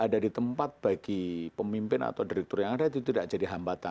dan bentuk a sehat